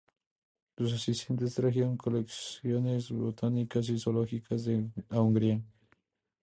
Sus asistentes trajeron colecciones botánicas y zoológicas a Hungría.